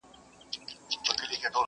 لړۍ د اوښکو ګريوانه ته تلله؛